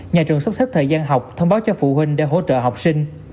nhà trường sắp xếp thời gian học thông báo cho phụ huynh để hỗ trợ học sinh